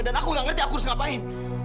dan aku gak ngerti aku harus ngapain